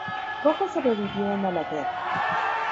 Pocos sobrevivieron a la guerra.